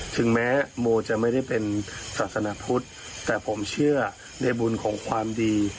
ถึงแม้โมจะไม่ได้เป็นศาสนาพุทธแต่ผมเชื่อในบุญของความดี